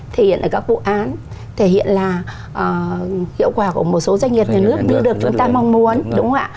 thể hiện ở các vụ án thể hiện là hiệu quả của một số doanh nghiệp nhà nước đưa được chúng ta mong muốn